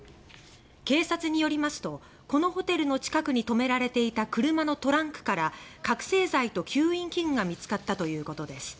警察によりますとこのホテルの近くに止められていた車のトランクから覚醒剤と吸引器具が見つかったということです。